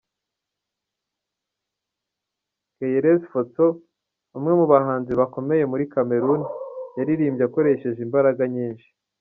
Keyerese Fotso , umwe mu bahanzi bakomeye muri Cameroun, yaririmbye akoresheje imbaraga nyinshi.